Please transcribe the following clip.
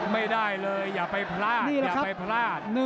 ไม่ได้เลยอย่าไปพลาด